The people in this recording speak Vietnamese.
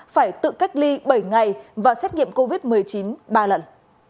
phải tự cách ly bảy ngày và xét nghiệm covid một mươi chín ba lần